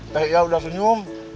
teh iya udah senyum